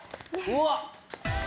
うわっ！